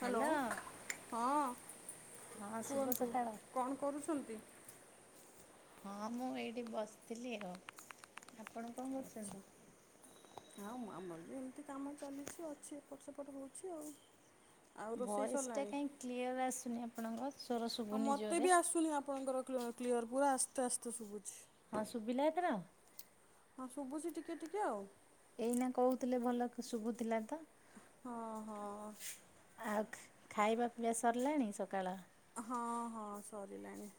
Hello ହଁ ହଁ ଶୁଭ କୁହନ୍ତୁ ସକାଳ କଣ କରୁଛନ୍ତି? ହଁ ମୁଁ ଏଇଠି ବସିଥିଲି ଆଉ। ଆପଣ କଣ କରୁଛନ୍ତି? ଆଚ୍ଛା। ଆଉ ଆମର ବି ଏମିତି କାମ ଚାଲିଛି ଅଛି ଏପଟ ସେପଟ ହେଉଛି ଆଉ। ଆଉ ରୋଷେଇ ଭଏସଟା ସରିଲାଣି କାହିଁ କ୍ଲିଅର୍ ଆସୁନି ଆପଣଙ୍କ ସ୍ୱର ଆଉ ଶୁଭୁନି ମତେ ଜୋରରେ ବି ଆସୁନି ଆପଣଙ୍କର [unintelligible] କ୍ଲିଅର୍ ପୁରା ଆସ୍ତେ ଆସ୍ତେ ଶୁଭୁଛି। ହଁ ଶୁଭିଲା ଏଥର। ହଁ ଶୁଭୁଛି ଟିକେ ଟିକେ ଆଉ। ଏଇନା କହୁଥିଲେ ଭଲ ଶୁଭୁଥିଲା ତ। ହଁ ହଁ। ଆଉ ଖାଇବାକୁ ପିଆ ସରିଲାଣି ସକାଳ। ହଁ ହଁ ସରିଲାଣି।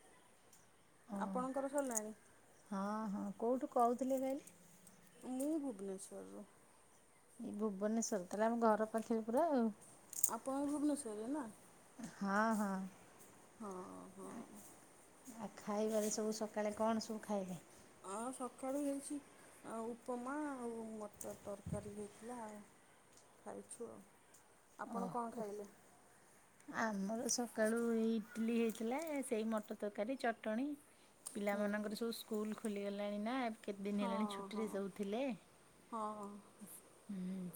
ଓ ଆପଣଙ୍କର ସରିଲାଣି ହଁ ହଁ କେଉଁଠୁ କହୁଥିଲେ କହିଲେ। ମୁଁ ଭୁବନେଶ୍ୱର। ଏଇ ଭୁବନେଶ୍ଵର ତାଲେ ଆମ ଘର ପାଖରେ ପୁରା ଆଉ। ଆପଣଙ୍କ ଭୁବନେଶ୍ୱରରେ ନା। ହଁ ହଁ। ହଁ ହଁ। ଆଉ ଖାଇବାରେ ସବୁ ସକାଳେ କଣ ସବୁ ଖାଇଲେ। ଅ ସକାଳୁ ହେଇଛି। ଆଉ ଉପମା ମୋଟ ତରକାରୀ ହେଇଥିଲା। ଖାଇଛୁ ଆଉ ଆପଣ ଓ କଣ ଖାଇଲେ। ଆମର ସକାଳୁ ଏ ଇଟିଲି ହେଇଥିଲା ସେଇ ମଟର ତରକାରୀ ଚଟଣୀ। ହୁଁ ପିଲାମାନଙ୍କର ସବୁ ସ୍କୁଲ ଖୋଲିଗଲାଣି ନା କେତେ ଦିନ ହଁ ହେଲାଣି ଛୁଟିରେ ହଁ ସବୁ ଥିଲେ ହଁ।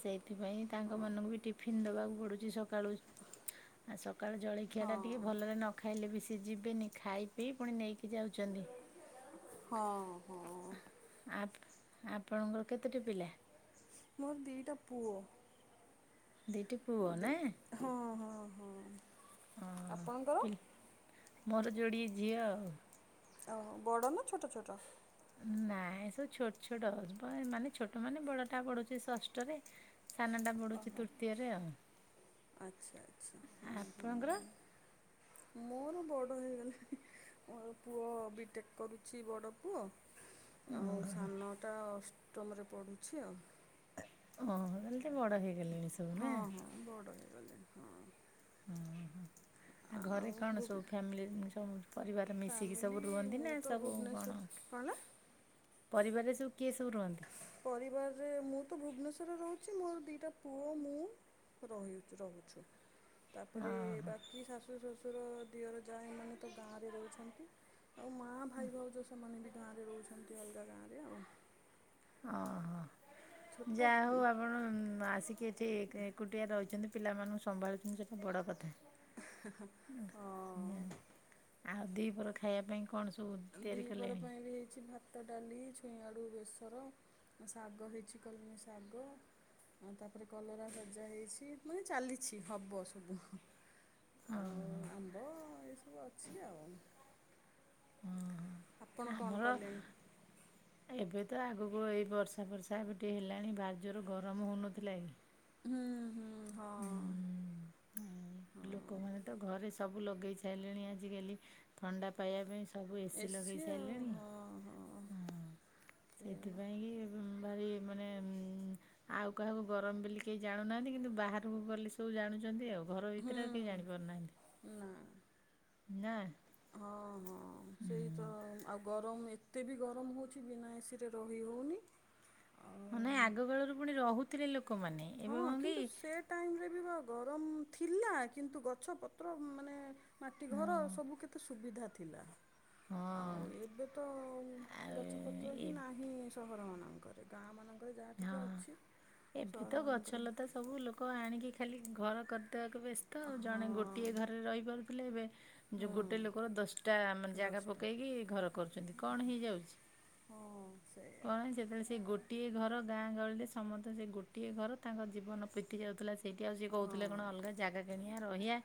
ସେଇଥିପାଇଁ ତାଙ୍କ ମାନକୁ ବି ଟିଫିନ୍ ଦେବାକୁ ପଡୁଛି ସକାଳୁ ଆଉ ସକାଳ ଜଳଖିଆ ହଁ ଟା ଟିକେ ଭଲରେ ନ ଖାଇଲେ ବି ସିଏ ଯିବେନି ଖାଇ ପିଇ ପୁଣି ନେଇକି ଯାଉଛନ୍ତି। ହଁ ହଁ। ଆ ଆପଣଙ୍କର କେତୋଟି ପିଲା? ମୋର ଦିଇଟା ପୁଅ। ଦିଇଟି ପୁଅ ଦି ନା? ହଁ ହଁ ହଁ, ଓହୋ। ଆପଣଙ୍କର? ପିଲ ମୋର ଯୋଡିଏ ଝିଅ ଆଉ। ଓ ବଡ଼ ନା ଛୋଟ ଛୋଟ। ନାଇଁ ଏ ସବୁ ଛୋଟ ଛୋଟ, ମାନେ ଛୋଟ ମାନେ ବଡ଼ଟା ପଡ଼ୁଛି ଷଷ୍ଠରେ। ସାନ ଟା ପଢୁଛି ତୃତୀୟରେ ଆଉ। ଆଛା ଆଛା, ହଁ ଆପଣଙ୍କର ହଁ। ମୋର ବଡ଼ ହେଇଗଲାଣି, ମୋର ପୁଅ ବିଟେକ୍ କରୁଛି ବଡ଼ ପୁଅ। ଆଉ ସାନଟା ଅଷ୍ଟମରେ ପଡୁଛି ଆଉ। ଓହୋ, ତାହାଲେ ତ ବଡ ହେଇଗଲେଣି ସେ। ହଁ ହଁ ବଡ଼ ହେଇଗଲେ ହଁ। ହୁଁ ହୁଁ। ଆଉ ଘରେ କଣ ସବୁ ଫ୍ୟାମିଲି, ସବୁ ପରିବାର ମିଶିକି ଫ୍ୟାମିଲି ସବୁ ରୁହନ୍ତି ମୁଁ ନା ତ ସବୁ ଭୁବନେଶ୍ୱର କଣ? କଣ? ପରିବାରରେ ସବୁ କିଏ ସବୁ ରୁହନ୍ତି? ପରିବାରରେ, ମୁଁ ତ ଭୁବନେଶ୍ଵରରେ ରହୁଛି ମୋର ଦିଇଟା ପୁଅ ମୁଁ ରହିଅଛୁ ରହୁଛୁ। ତାପରେ ଓହୋ ବାକି ଶାଶୁ, ଶ୍ୱଶୁର, ଦିଅର, ଜା ଏମାନେ ତ ଗାଁରେ ରହୁଛନ୍ତି। ଆଉ ମା, ଭାଇ, ଭାଉଜ ସେମାନେ ବି ଗାଁରେ ରହୁଛନ୍ତି, ଅଲଗା ଗାଁରେ ଆଉ। ଓହୋ, ଛୋଟ ଯାହା ହଉ ଆପଣ ଆସି କି ଏଠି ଏକୁଟିଆ ରହିଛନ୍ତି, ପିଲାମାନଙ୍କୁ ସମ୍ଭାଳୁଛନ୍ତି ସେଟା ବଡ କଥା। ଅ ଆଉ ଦିପର ଖାଇବା ପାଇଁ କଣ ସବୁ ତିଆରି ଦିପହର କଲେଣି ପାଇଁ ବି ହେଇଛି ଭା ଭାତ, ଡାଲି, ଛୁଇଁଆଳୁ ବେସର, ଶାଗ ହେଇଛି କଲମ ଶାଗ ଆଉ ତାପରେ କଲରା ଭଜା ହେଇଛି, ମାନେ ଚାଲିଛି, ହବ ସବୁ। ଓ ହ ହବ ଏସବୁ ଅଛି ଆଉ। ଆପଣ କଣ ଆମର କଲେଣି? ଏବେ ତ ଆଗକୁ ଏଇ ବର୍ଷା ଫର୍ଶା ଏବେ ଟିକଏ ହେଲାଣି, ଭାରି ଜୋରେ ଗରମ ହେଉନଥିଲା କି? ହୁଁ-ହୁଁ। ହୁଁ ହଁ ଲୋକମାନେ ତ ଘରେ ସବୁ ଲଗେଇ ସାରିଲେଣି ଆଜିକାଲି। ଥଣ୍ଡା ପାଇବା ପାଇଁ ସବୁ ଏସିି ଏସି ଲଗେଇ ଆଉ ସାରିଲେଣି। ହଁ ହଁ, ସେଇଆ ସେଥିପାଇଁ କି ଭାରି ମାନେ ଆଉ କାହାକୁ ଗରମ ବେଲି କେହି ଜାଣୁନାହାନ୍ତି କିନ୍ତୁ ବାହାରକୁ ଗଲେ ସବୁ ଜାଣୁଛନ୍ତି ଆଉ, ଘର ଭିତରେ ଆଉ କେହି ହୁଁ, ଜାଣିପାରୁନାହାନ୍ତି ନା। ନା। ହଁ-ହଁ ସେଇ? ତ ଆଉ ଗରମ ଏତେ ବି ଗରମ ହଉଛି ବିନା ଏସିରେ ରହି ହଉନି। ହଁ ନାଇଁ ଆଗକାଳରୁ ପୁଣି ରହୁଥିଲେ ଲୋକମାନେ। ଏବେ ହଁ କଣ କିନ୍ତୁ ସେ ଟାଇମରେ ବି ବା ଗରମ ଥିଲା କିନ୍ତୁ ଗଛ ପତ୍ର ମାନେ ମାଟି ଘର କି ସବୁ କେତେ ସୁବିଧା ଥିଲା। ହଁ। ଆଉ ଏବେ ତ ଆଉ ଗଛପତ୍ର ଏ ହିଁ ନାହିଁ ସହର ମାନଙ୍କରେ। ଗାଁ ମାନଙ୍କରେ ଯାହା ଟିକେ ହଁ। ଅଛି ଏବେ ତ ସହରମାନଙ୍କରେ ଗଛଲତା ସବୁ ଲୋକ ଆଣିକି ଖାଲି ଘର କରିଦେବାକୁ ବ୍ୟସ୍ତ ହଁ ଜଣେ ଗୋ ଗୋଟିଏ ଘରେ ରହିପାରୁଥିଲେ ଏବେ ଯୋଉ ଗୋଟେ ହଁ ଲୋକର ଦଶଟା ମାନେ ଜାଗା ଦଶଟା ପକେଇକି ଘର। କରୁଛନ୍ତି, କଣ ହେଇଯାଉଛି? ହଁ ସେୟା। କଣ ସେତେବେଳେ ସେ ଗୋଟିଏ ଘର ଗାଁ ଗହଳିରେ ସମତେ ସେ ଗୋଟିଏ ଘର ତାଙ୍କ ଜୀବନ ବିତି ଯାଉଥିଲା ସେଇଠି ଆଉ ସିଏ ହଁ କହୁଥିଲେ କଣ ଅଲଗା ଜାଗା କିଣିବା ରହିଆ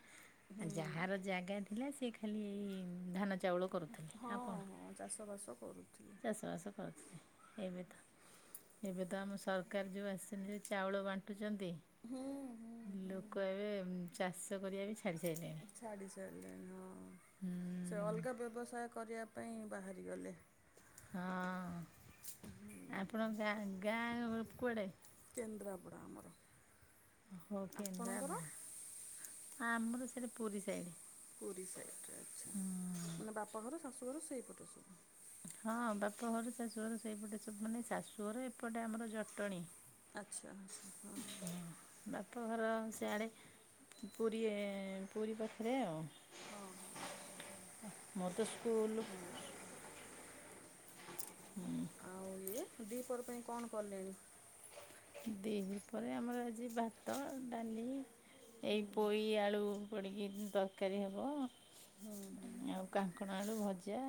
ହୁଁ। ଯାହାର ଜାଗା ଥିଲା ସେ ଖାଲି ଏଇ ଧାନ ଚାଉଳ କରୁଥିଲେ ଆଉ ହଁ କଣ। ହଁ ଚାଷବାସ କରୁଥିଲେ। ଚାଷବାସ କରୁଥିଲେ ଏବେତ ଏବେ ତ ଆମ ସରକାର୍ ଯୋଉ ଆସିଛନ୍ତି ଯେ ଚାଉଳ ବା ଣ୍ଟୁଚନ୍ତି ହୁଁ ହୁଁ ହୁଁ ଲୋକ ଏବେ ଚାଷ କରିବା ବି ଛାଡ଼ିସାଇଲେଣି। ଛାଡ଼ି ସାରିଲେଣି ହଁ ସେ ହୁଁ ଅଲଗା ବ୍ୟବସାୟ କରିବା ପାଇଁ ବାହାରିଗଲେ। ହଁ ଆପଣ ଗାଁ-ଗାଁ କୁଆଡ଼େ? କେନ୍ଦ୍ରାପଡ଼ା ଆମର। ଓହ ଆପଣଙ୍କର କେନ୍ଦ୍ରାପଡା ଆମର ସେଟା ପୁରୀ ସାଇଡ। ପୁରୀ ସାଇଡ଼େରେ ଆଚ୍ଛା, ମାନେ ବାପା ଘର ଶାଶୁଘର ସେଇପଟରେ ସବୁ। ହଁ ବାପଘର ଶାଶୁଘର ସେଇପଟେ ସବୁ, ମାନେ ଶାଶୁଘର ଏପଟେ ଆମର ଜଟଣୀ। ଆଚ୍ଛା-ଆଚ୍ଛା ହଁ। ବାପଘର ସିଆଡ଼େ ପୁରୀ ଏ ପୁରୀ ପାଖେରେ ଆଉ। ହଁ ହଁ ମତେ ସ୍କୁଲୁ ହଁ [unintelligible] ଆଉ ଇଏ ଦିପହର ପାଇଁ କଣ କଲେଣି? ଦିପହରେ ଆମର ଆଜି ଭାତ, ଡାଲି ହୁଁ ଏଇ ପୋଇ ଆଳୁ ପଡ଼ିକି ତରକାରୀ ହେବ, ହୁଁ ହୁଁ ଆଉ କାଙ୍କଣ ଆଳୁ ଭଜା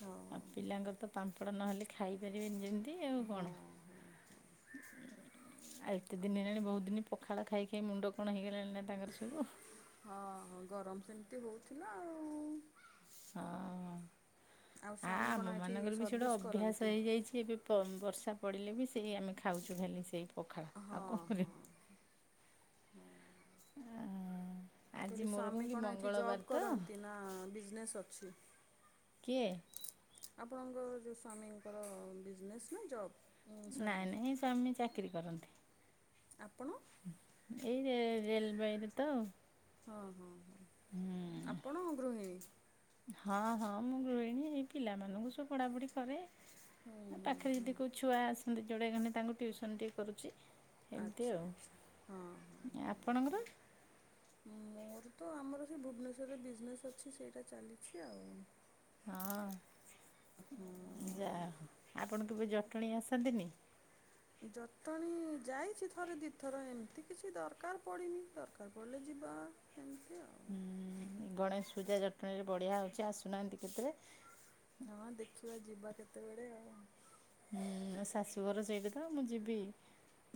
ହଁ ହଁ। ପିଲାଙ୍କର ତ ପାମ୍ପଡ଼ ନହେଲେ ଖାଇପାରିବେନି ଯେମ୍ତି ଆଉ ହଁ କଣ। ହଁ ହଁ ଆଉ ଏତେ ଦିନ୍ ହେଲାଣି ବହୁତ୍ ଦିନି ପଖାଳ ଖାଇ-ଖାଇ ମୁଣ୍ଡ କଣ ହେଇଗଲାଣି ନା ତାଙ୍କର ସବୁ। ହଁ-ହଁ ଗରମ ସେମ୍ତି ହଉଥିଲା ଆଉ। ହଁ ଆଉ ଆ ସ୍ୱାମୀ କଣ ଏଠି ଆମମାନଙ୍କର ବି ସେଇଟା ସର୍ଭିସ୍ ଅଭ୍ୟାସ କରନ୍ତି? ହେଇଯାଇଛି ଏବେବି। ପ ବର୍ଷା ପଡ଼ିଲେ ବି ସେଇ ଆମେ ଖାଉଛୁ ଖାଲି ସେଇ ପଖାଳ, ଆଉ ହଁ କଣ ହଁ। କରିବୁ ଆ ମୁଁ କହିଲି ସ୍ୱାମୀ କଣ ଏଠି ଜବ୍ କରନ୍ତି ନା ବିଜନେସ୍ ଅଛି? କିଏ? ଆପଣଙ୍କର ଯୋଉ ସ୍ୱାମୀଙ୍କର ବିଜନେସ୍ ନା ଜବ୍? ସର୍ଭିସ୍? ନାଇଁ-ନାଇଁ ସ୍ୱାମୀ ଚାକିରି କରନ୍ତି। ଆପଣ? ଏଇ ରେ ରେଲବାଇରେ ତ ଆଉ। ହଁ-ହଁ, ଆପଣ ଗୃହିଣୀ? ହଁ-ହଁ ମୁଁ ଗୃହିଣୀ ଏଇ ପିଲାମାନଙ୍କୁ ସବୁ ପଢ଼ାପଢ଼ି କରେ। ହୁଁ ହୁଁ ପାଖେରେ ହୁଁ ଯଦି କୋଉ ଛୁଆ ଆସନ୍ତି ଯୋଡ଼େ ଘନେ ତାଙ୍କୁ ଟିଉସନ୍ ଟିକେ କରୁଚି। ଏମିତି ଆଉ ଆଚ୍ଛା-ଆଚ୍ଛା ଆପଣଙ୍କର? ହଁ। ମୋର ତ ଆମର ସେ ଭୁବନେଶ୍ୱରରେ ବିଜନେସ୍ ଅଛି ସେଇଟା ଚାଲିଛି ଆଉ। ହଁ ଯାହା ହଁ। ହେଉ ଆପଣ କେବେ ଜଟଣୀ ଆସନ୍ତିନି? ଜଟଣୀ ଯାଇଛି ଥରେ ଦିଥର ଏମିତି କିଛି ଦରକାର୍ ପଡ଼ିନି, ଦରକାର୍ ପଡ଼ିଲେ ଯିବା। ଏମିତି ଆଉ। ହୁଁ ଗଣେଶ ପୂଜା ଜଟଣୀରେ ବଢିଆ ହଉଛି ଆସୁନାହାନ୍ତି କେତେରେ। ହଁ ଦେଖିବା ଯିବା କେତେବେଳେ ଆଉ। ହୁଁ ମୋ ଶାଶୁଘର ସେଇଠି ତ ମୁଁ ଯିବି।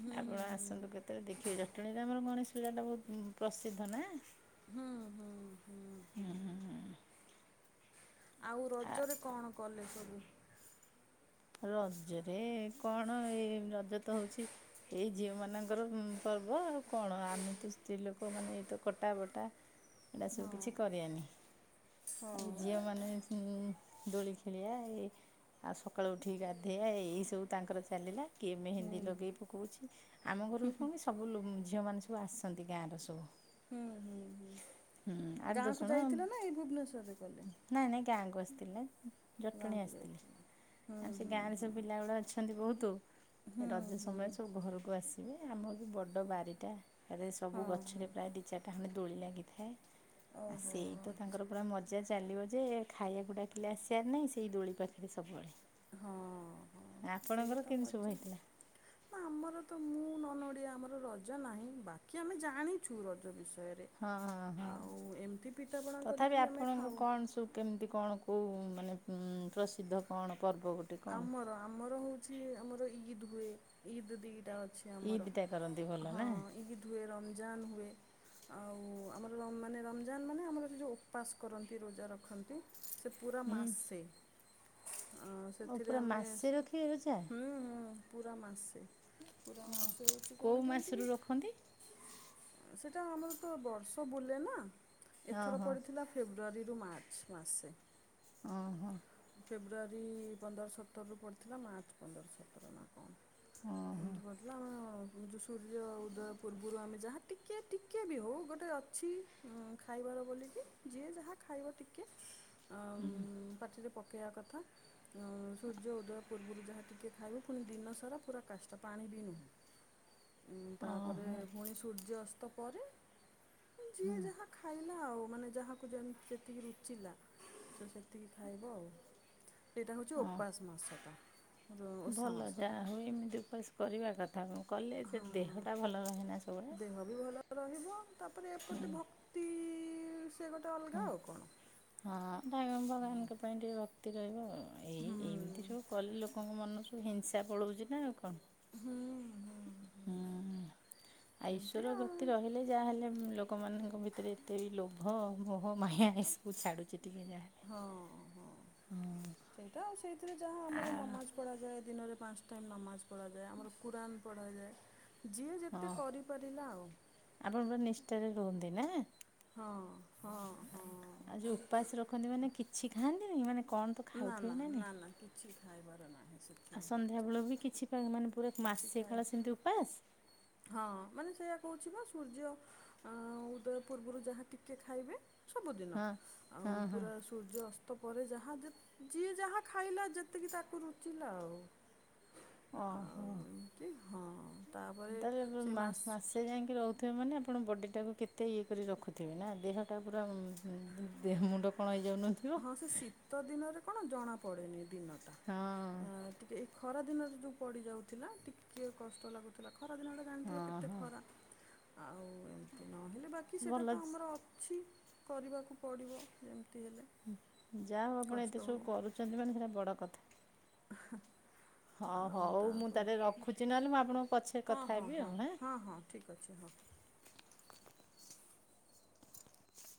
ହୁଁ ଆପଣ ହୁଁ ଆସନ୍ତୁ କେତେବେଳେ ଦେଖିବେ ଜଟଣୀରେ ଆମର ଗଣେଶ ପୂଜାଟା ବହୁତ୍ ପ୍ରସିଦ୍ଧ ନା। ହୁଁ ହୁଁ ହୁଁ ହୁଁ-ହୁଁ-ହୁଁ। ଆଉ ଆ ରଜରେ କଣ କଲେ ସବୁ? ରଜରେ କଣ ଏଇ ରଜ ତ ହଉଛି ଏଇ ଝିଅ ମାନଙ୍କର ପର୍ବ ଆଉ କଣ ଆମେ ତ ସ୍ତ୍ରୀ ଲୋକମାନେ ଏଇତ କଟା ବଟା ଏରା ହଁ ସବୁକିଛି କରିଆନି, ହଁ ଆଉ ଝିଅମାନେ ଦୋଳି ଖେଳିିଆ ଏ ଆଉ ସକାଳୁ ଉଠିକି ଗାଧେଇଆ ଏଇସବୁ ତାଙ୍କର ଚାଲିଲା। କିଏ ହୁଁ ମେହେନ୍ଦୀ ଲଗେଇ ପକଉଛି ଆମ ଘରକୁ କଣ ଆସି ସବୁ ଲୋ ଝିଅମାନେ ସବୁ ଆସନ୍ତି ଗାଁର ସବୁ। ହୁଁ, ହୁଁ, ଆଠ ହୁଁ ଦଶ ଗାଁକୁ ଜଣ ଯାଇଥିଲ ନା ଏଇ ଭୁବନେଶ୍ୱରରେ କଲେ? ନାଇଁ ନାଇଁ ଗାଁକୁ ଆସିଥିଲେ ଜଟଣୀ ଗାଁକୁ ଆସିଥିଲି ଯାଇଥିଲେ। ହୁଁ ଆଉ ସେ ହୁଁ ଗାଁରେ ସବୁ ହୁଁ ପିଲା ଗୁଡ଼ା ଅ ଅଛନ୍ତି ବହୁତୁ ହୁଁ ରଜ ହୁଁ ସମୟରେ ସବୁ ଘରକୁ ଆସିବେ ଆମରବି ବଡ଼ ବାରିଟା ଏରେ ସବୁ ହଁ ହଁ ଗଛରେ ପ୍ରାୟ ଦିଇ ଚାରିଟା ଖଣ୍ଡେ ଦୋଳି ଲାଗିଥାଏ ଆ ଓହୋ ସେଇ ତ ତାଙ୍କର ଆଚ୍ଛା। ପୁରା ମ ମଜା ଚାଲିବ ଯେ ଖାଇବାକୁ ଡାକିଲେ ଆସିଆର ନାହିଁ ସେଇ ଦୋଳି ପାଖରେ ସବୁବେଳେ ହଁ ହଁ ସେଇ ଆପଣଙ୍କର ତ କେମିତି ସବୁ ମଜା ହେଇଥିଲା? ନା ଆମର ତ ମୁଁ ନନ୍ ଓଡ଼ିଆ ଆମର ରଜ ନାହିଁ ବାକି ଆମେ ଜାଣିଛୁ ରଜ ବିଷୟରେ। ହଁ, ହଁ ଆଉ ଏମିତି ପିଠାପଣା କରିକି ତଥାପି ବି ଆମେ ଆପଣଙ୍କୁ ଖାଉ। କଣ ସୁ କେମିତି କଣ କୋଉ ମାନେ ପ୍ରସିଦ୍ଧ କଣ ପର୍ବ ଗୋ ଆମର ଆମର ହଉଛି ଆମର ଇଦ୍ ହୁଏ ଇଦ୍ ଦିଟା ଅଛି। ଆମର ଇଦଟା କରନ୍ତି ଭଲ ହଁ ନା ଇଦ୍ ହୁଏ ରମଜାନ୍ ହୁଏ। ଆଉ ଆମର ମାନେ ରମଜାନ ମାନେ ଆମର ସେ ଯେଉଁ ଉପାସ କରନ୍ତି ରୋଜା ରଖନ୍ତି। ସେ ପୁରା ହୁଁ ମାସେ। ଓ ଏଥିରେ ପୁରା ଆମେ ମାସେ ସ୍ ରଖିବେ ରୋଜା ହୁଁ ହୁଁ ପୁରା ମାସେ ପୁରା ମାସେ ହଉଛି କେଉଁ କଣ କେମତି ମାସରୁ କି? ରଖନ୍ତି ସେଟା ଆମର ତ ବର୍ଷ ପୂରିଲେ ନା ହଁ ଏଥର ହଁ ପଡିଥିଲା ଫେବୃଆରୀରୁ ମାର୍ଚ୍ଚ ମାସେ ଅହ। ଫେବୃୟାରୀ ପନ୍ଦର ସତରରୁ ପଡ଼ିଥିଲା ମାର୍ଚ୍ଚ ପନ୍ଦର ସତର ନା କଣ? ଏମତି ପଡ଼ିଥିଲା ଆମ ସୂର୍ଯ୍ୟ ଉଦୟ ପୂର୍ବୁରୁ ଆମେ ଯାହା ଟିକେ ଟିକେ ବି ହୋଉ ଗୋଟେ ଅଛି ଖାଇବାର ବୋଲିକି ଯିଏ ଯାହା ଖାଇବ ଟିକେ ଆଁ ପାଟିରେ ପକେଇବା କଥା ଆଁ ସୂର୍ଯ୍ୟ ଉଦୟ ପୂର୍ବୁରୁ ଯାହା ଟିକେ ଖାଇବୁ ଫୁଣି ଦିନ ସାରା ପୁରା କାଷ୍ଟା ପାଣି ବି ନୁହେଁ ତାପରେ ଓହୋ ଫୁଣି ସୂର୍ଯ୍ୟଅସ୍ତ ପରେ ହୁଁ। ଯିଏ ଯାହା ଖାଇଲା ଆଉ ମାନେ ଯାହାକୁ ଯେମି ଯେତିକି ରୁଚିଲା ସିଏ ସେତିକି ଖାଇବ ଆଉ ସେଇଟା ହଉଛି ହଁ ଓପାସ ମାସଟା ଓଷା ଭଲ ମାସଟା ଯାହା ହଉ ଏମିତି ଓପାସ କରିବା କ ଥା କଲେ ସେ ହଁ ଦେହଟା ଭଲ ରହେନା ସବୁବେଳେ ଦେହ ବି ହୁଁ ତି ସେ ଗୋଟେ ଅଲଗା ଆଉ କଣ? ହଁ [inaudible] ଭଗବାନଙ୍କ ପାଇଁ ଟିକେ ଭକ୍ତି ରହିବ ଆଉ ଏଇ ହୁଁ ଏମିତି ସବୁ କଲି ଲୋକ ମନରୁ ସବୁ ହିଂସା ପଳୋଉଛି ନା ଆଉ କଣ? ହୁଁ ହୁଁ। ହୁଁ ଆ ଏମିତି ଈଶ୍ଵର ଆଉ ଭକ୍ତି ରହିଲେ ଯାହେଲେ ଲୋକ୍ ଲୋକମାନଙ୍କ ଭିତରେ ଏତେ ବି ଲୋଭ ମୋହ ମାୟା ଏସବୁ ଛାଡ଼ୁଛି ଟିକେ ଯାହା ହଁ ହଁ। ସେଇଟା ଆଉ ସେଇଥିରେ ଯାହା ଆମର ଆଉ ନମାଜ୍ ପଢ଼ାଯାଏ ଦିନରେ ପାଞ୍ଚ ଟାଇମ୍ ନମାଜ ପଢାଯାଏ ଆମର କୁରାନ୍ ପଢ଼ାଯାଏ ଯିଏ ଯେତେ ହଁ କରିପାରିଲା ଆଉ ଆପଣ ପୁରା ନିଷ୍ଠାରେ ରୁହନ୍ତି ନା ହଁ ହଁ। ହଁ ଆ ଯୋଉ ଉପାସ ରଖନ୍ତି ମାନେ କିଛି ଖାଆନ୍ତିନି ମାନେ କଣ ତ ନା ଖାଉଥିବେ ନା ନା ନାହିଁ ନା କିଛି ଖାଇବାର ନାହିଁ ସେ ଆଉ ସନ୍ଧ୍ୟାବେଳକୁ ବି କିଛି ମାନେ ପୁରା କିଛି ମାସେ ଖାଇ କାଳ ସେମିତି ଉପାସ ହଁ ମାନେ ସେଇୟା କହୁଛି ପା ସୂର୍ଯ୍ୟ ଆଁ ଉଦୟ ପୂର୍ବୁରୁ ଯାହା ଟିକେ ଖାଇବେ ସବୁଦିନ ହଁ ହଁ ଆଉ ହଁ। ପୁରା ସୁ ସୂର୍ଯ୍ୟଅସ୍ତ ପରେ ଯାହା ଯେ ଯିଏ ଯାହା ଖାଇଲା ଯେତିକି ତାକୁ ରୁଚିଲା ଆଉ ଅ ହ। କି ହଁ ତାପରେ ସେ ମାସ ଏତେ ଯାଙ୍କେ ରହୁଥିବେ ମାନେ ଆପଣ ବଡ଼ିଟାକୁ କେତେ ଇଏ କରି ରଖୁଥିବେ ନା ଦେହଟା ପୁରା ଉଁ ହୁଁ ଦେହ ମୁଣ୍ଡ କଣ ହେଇଯାଉନଥିବ ହଁ ସେ ଶୀତ ଦିନରେ କଣ ଜଣାପଡ଼େନି ଦିନଟା ହଁ ହଁ ଟିକେ ଏଇ ଖରା ଦିନରେ ଯୋଉ ପଡିଯାଉଥିଲା ଟିକିଏ କଷ୍ଟ ଲାଗୁଥିଲା ଖରା ଦିନରେ ହଁ ଜାଣିଥିବେ କେତେ ହଁ ଖରା ଆଉ ଏମିତି ନହେଲେ ବାକି ସେଟା ଭଲ ତ ଆମର ଅଛି କରିବାକୁ ପଡ଼ିବ ଯେମିତି ହେଲେ ଯା ହୋଉ ଆପଣ କଷ୍ଟ ଏତେ ହଉ ସବୁ କରୁଛନ୍ତି ମାନେ ସେଇଟା ବଡ଼ କଥା [inaudible] ଆ ହା ହ ହଉ ମୁଁ ତାହେଲେ ରଖୁଛି ନହେଲେ ମୁଁ ଆପଣଙ୍କୁ ପଛେ ହଁ କଥା ହଁ ହେବି ହଁ ଆଉ ହାଁ ହଁ ହଁ ଠିକ୍ ଅଛି ହଁ